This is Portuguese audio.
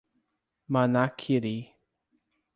Manaquiri